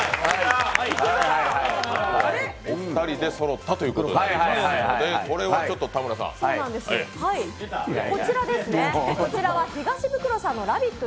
お二人でそろったということですのでこちらですね、こちらは東ブクロさんの「ラヴィット！」